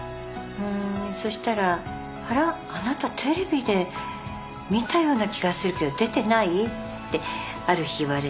そしたら「あら？あなたテレビで見たような気がするけど出てない？」ってある日言われて。